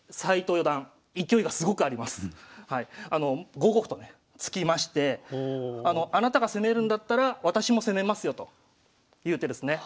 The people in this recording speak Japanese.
５五歩とね突きましてあなたが攻めるんだったら私も攻めますよという手ですね。